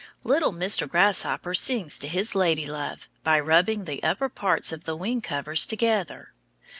Little Mr. Grasshopper sings to his lady love by rubbing the upper parts of the wing covers together.